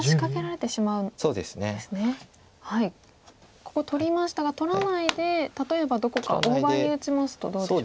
ここ取りましたが取らないで例えばどこか大場に打ちますとどうでしょう？